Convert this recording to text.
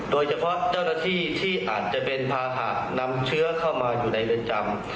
โดยเฉพาะเจ้าหน้าที่ที่อาจจะเป็นภาหะนำเชื้อเข้ามาอยู่ในเรือนจำ